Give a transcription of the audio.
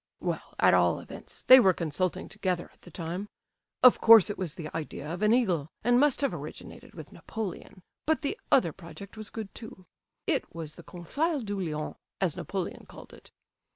"Well, at all events, they were consulting together at the time. Of course it was the idea of an eagle, and must have originated with Napoleon; but the other project was good too—it was the 'Conseil du lion!' as Napoleon called it.